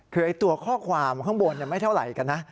คือตัวข้อความข้างบนไม่เท่าไหร่กันนะ